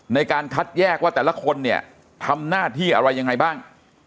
ในการคัดแยกว่าแต่ละคนเนี่ยทำหน้าที่อะไรยังไงบ้าง